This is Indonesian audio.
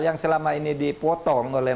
yang selama ini dipotong oleh